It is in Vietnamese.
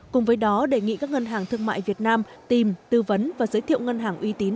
cùng với đó đề nghị các ngân hàng thương mại việt nam tìm tư vấn và giới thiệu ngân hàng uy tín